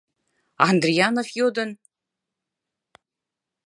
— Андрианов йодын.